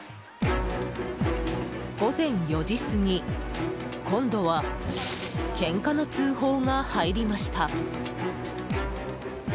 午前４時過ぎ今度はけんかの通報が入りました。